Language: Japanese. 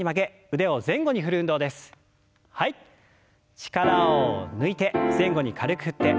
力を抜いて前後に軽く振って。